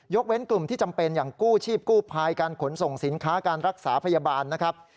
เว้นกลุ่มที่จำเป็นอย่างกู้ชีพกู้ภัยการขนส่งสินค้าการรักษาพยาบาลนะครับ